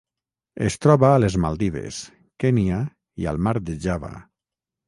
Es troba a les Maldives, Kenya i al Mar de Java.